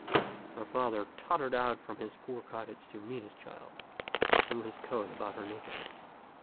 Her father tottered out from his poor cottage to meet his child, and threw his coat about her nakedness.